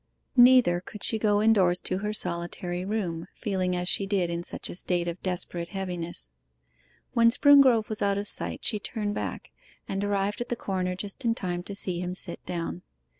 Neither could she go indoors to her solitary room, feeling as she did in such a state of desperate heaviness. When Springrove was out of sight she turned back, and arrived at the corner just in time to see him sit down.